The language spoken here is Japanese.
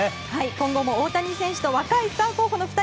今後も大谷選手と若いスター候補の２人。